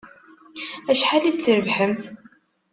Acḥal i d-trebḥemt?